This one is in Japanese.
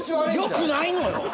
良くないのよ。